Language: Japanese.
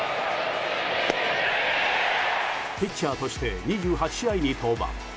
ピッチャーとして２８試合に登板。